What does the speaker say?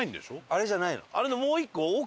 あれのもう１個奥？